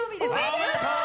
おめでとう！